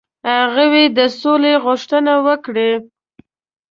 هغوی د سولي غوښتنه وکړي.